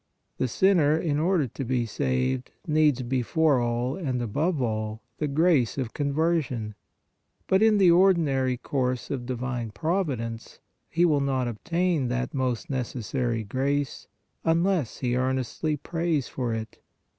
The sinner, in order to be saved, needs before all and above all, the grace of conversion; but, in the ordinary course of divine Providence, he will not obtain that most necessary grace, unless he earnestly prays for it.